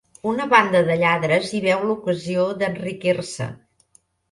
Una banda de lladres hi veu l'ocasió d'enriquir-se.